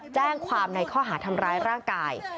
แจ้งความในข้อหาทำร้ายร่างกาย